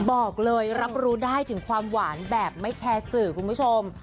บอกเลยรับรู้ได้ถึงความหวานแบบไม่แคร์สื่อคุณผู้ชม